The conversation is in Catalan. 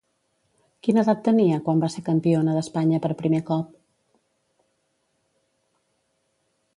Quina edat tenia quan va ser campiona d'Espanya per primer cop?